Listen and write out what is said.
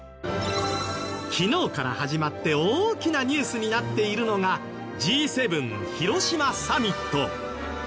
昨日から始まって大きなニュースになっているのがＧ７広島サミット。